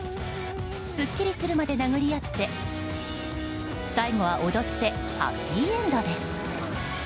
すっきりするまで殴り合って最後は踊ってハッピーエンドです。